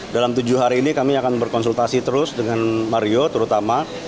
dalam tujuh hari ini kami akan berkonsultasi terus dengan mario terutama